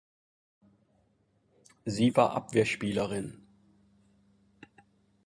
Sie war Abwehrspielerin.